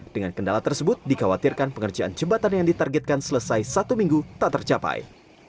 dengan kendala tersebut dikhawatirkan pengerjaan jembatan yang ditargetkan selesai satu minggu tak tercapai